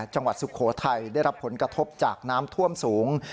สุโขทัยได้รับผลกระทบจากน้ำท่วมสูง